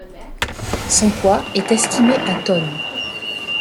Son poids est estimé à tonnes.